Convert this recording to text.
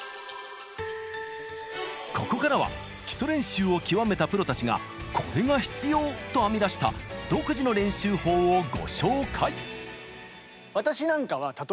ここからは基礎練習を極めたプロたちがコレが必要！と編み出した「独自の練習法」をご紹介！